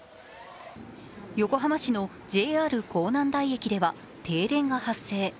横浜市のＪＲ港南台駅では停電が発生。